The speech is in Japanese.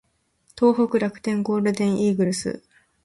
東北楽天ゴールデンイーグルス